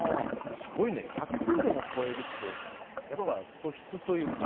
すごいね、１００ｋｇを超えるって素質というか。